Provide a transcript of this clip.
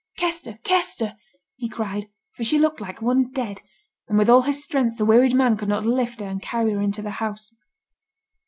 'Kester! Kester!' he cried, for she looked like one dead, and with all his strength the wearied man could not lift her and carry her into the house.